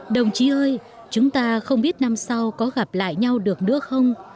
đồng chí ơi chúng ta không biết năm sau có gặp lại nhau được nữa không